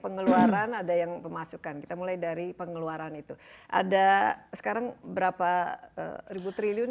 pengeluaran ada yang pemasukan kita mulai dari pengeluaran itu ada sekarang berapa ribu triliun